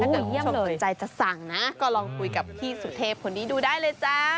คุณผู้ชมสนใจจะสั่งนะก็ลองคุยกับพี่สุเทพคนนี้ดูได้เลยจ้า